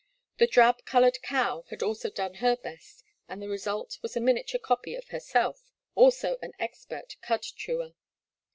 ' The drab coloured cow had also done her best, and the result was a minia ture copy of herself, also an expert cud chewer.